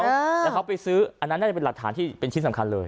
แล้วเขาไปซื้ออันนั้นน่าจะเป็นหลักฐานที่เป็นชิ้นสำคัญเลย